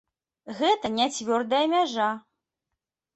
Гэта не цвёрдая мяжа.